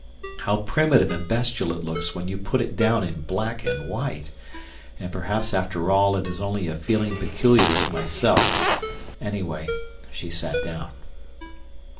How primitive and bestial it looks when you put it down in black and white! and perhaps after all it is only a feeling peculiar to myself. Anyhow, she sat down.